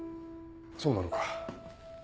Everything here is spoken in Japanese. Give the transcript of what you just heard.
そうなのか。